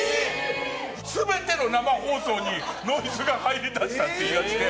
全ての生放送にノイズが入りだしたって言い出して。